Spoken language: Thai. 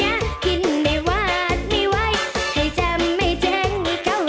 อ่ะสวยวนไปค่ะ